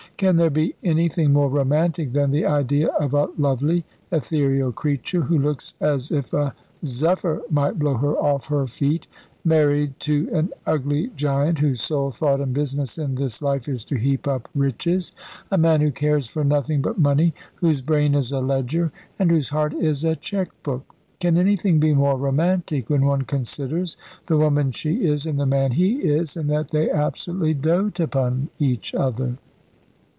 "Can there be anything more romantic than the idea of a lovely, ethereal creature, who looks as if a zephyr might blow her off her feet, married to an ugly giant whose sole thought and business in this life is to heap up riches, a man who cares for nothing but money, whose brain is a ledger, and whose heart is a cheque book? Can anything be more romantic, when one considers the woman she is and the man he is, and that they absolutely dote upon each other?"